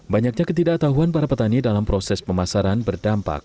banyaknya ketidaktahuan para petani dalam proses pemasaran berdampak